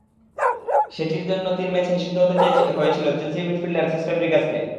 সেটির জন্য তিন ম্যাচ নিষিদ্ধ হতে হয়েছিল চেলসি মিডফিল্ডার সেস ফ্যাব্রিগাসকে।